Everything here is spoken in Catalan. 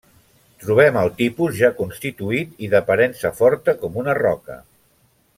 Trobem al tipus ja constituït i d'aparença forta com una roca.